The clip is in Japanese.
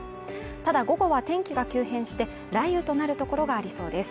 ただ午後は天気が急変して雷雨となるところがありそうです。